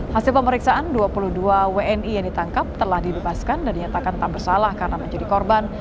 hasil pemeriksaan dua puluh dua wni yang ditangkap telah dibebaskan dan dinyatakan tak bersalah karena menjadi korban